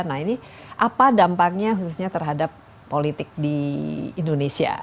nah ini apa dampaknya khususnya terhadap politik di indonesia